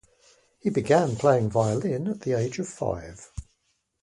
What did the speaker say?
He began playing violin at the age of five.